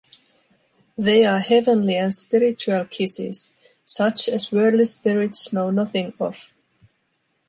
They are heavenly and spiritual kisses, such as worldly spirits know nothing of.